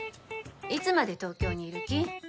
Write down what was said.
いつまで東京にいる気？